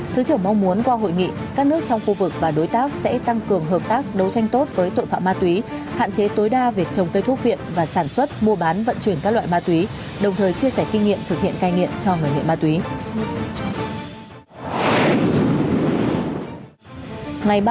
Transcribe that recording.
thứ trưởng mong muốn qua hội nghị các nước trong khu vực và đối tác sẽ tăng cường hợp tác đấu tranh tốt với tội phạm ma túy hạn chế tối đa việc trồng cây thuốc viện và sản xuất mua bán vận chuyển các loại ma túy đồng thời chia sẻ kinh nghiệm thực hiện cai nghiện cho người nghiện ma túy